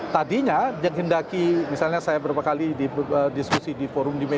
tadinya yang hendaki misalnya saya berapa kali di diskusi di forum di media